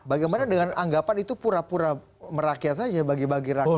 bagaimana dengan anggapan itu pura pura merakyat saja bagi bagi rakyat